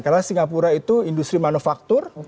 karena singapura itu industri manufaktur